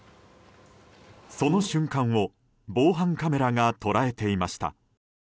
その瞬間を防犯カメラが捉えていました。